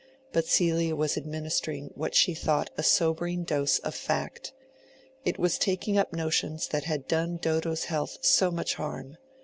But Celia was administering what she thought a sobering dose of fact. It was taking up notions that had done Dodo's health so much harm.